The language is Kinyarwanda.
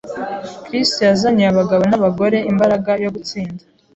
Kristo yazaniye abagabo n’abagore imbaraga yo gutsinda.